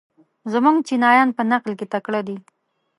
زموږ چینایان په نقل کې تکړه دي.